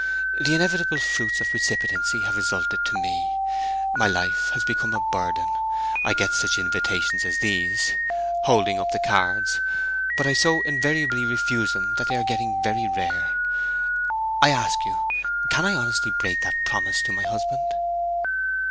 The inevitable fruits of precipitancy have resulted to me: my life has become a burden. I get such invitations as these' (holding up the cards), 'but I so invariably refuse them that they are getting very rare. ... I ask you, can I honestly break that promise to my husband?'